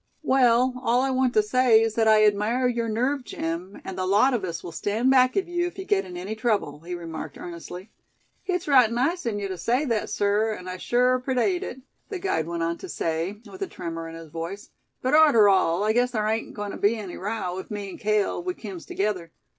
"Well, all I want to say is that I admire your nerve, Jim; and the lot of us will stand back of you if you get in any trouble," he remarked, earnestly. "Hit's right nice in yuh tuh say thet, sir, an' sure I 'predate hit," the guide went on to say, with a tremor in his voice; "but arter all, I guess thar hain't goin' tuh be any row, if me'n Cale, we kims tergether.